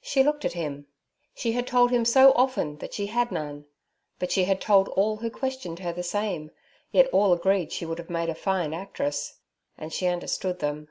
She looked at him. She had told him so often that she had none; but she had told all who questioned her the same, yet all agreed she would have made a fine actress. And she understood them.